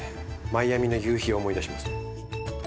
マイアミの夕日を思い出しますね。